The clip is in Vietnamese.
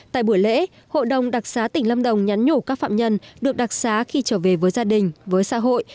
tại buổi lễ hội đồng đặc xá tỉnh lâm đồng nhắn nhủ các phạm nhân được đặc xá khi trở về với gia đình với xã hội